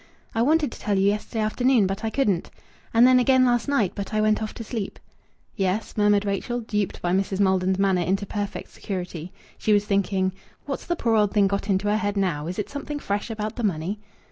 "I wanted to tell you yesterday afternoon, but I couldn't. And then again last night, but I went off to sleep." "Yes?" murmured Rachel, duped by Mrs. Maldon's manner into perfect security. She was thinking: "What's the poor old thing got into her head now? Is it something fresh about the money?"